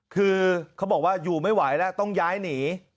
คือเขาบอกว่าอยู่ไม่ไหวแล้วต้องย้ายหนี